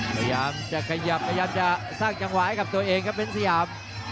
พยายามจะขยับพยายามจะสร้างจังหวะให้กับตัวเองครับเป็นสยาม